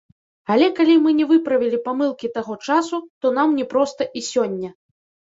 Але калі мы не выправілі памылкі таго часу, то нам не проста і сёння.